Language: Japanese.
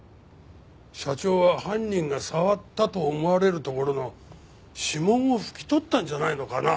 社長は犯人が触ったと思われるところの指紋を拭き取ったんじゃないのかなぁ。